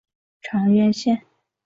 长渊线